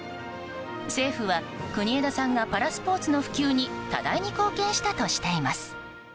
政府は、国枝さんがパラスポーツの普及に多大に貢献したとしています。